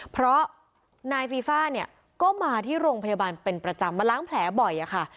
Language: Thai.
เพราะนายฟีฟ่าเนี่ยก็มาที่โรงพยาบาลเป็นประจำมาล้างแผลบ่อยอะค่ะ